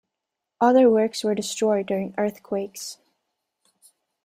Other works were destroyed during earthquakes.